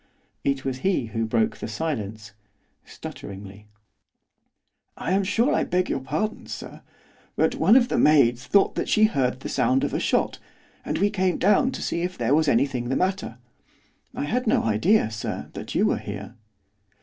It was he who broke the silence, stutteringly. 'I am sure I beg your pardon, sir, but one of the maids thought that she heard the sound of a shot, and we came down to see if there was anything the matter, I had no idea, sir, that you were here.